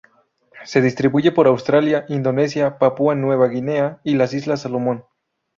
Se distribuye por Australia, Indonesia, Papúa Nueva Guinea y las Islas Salomón.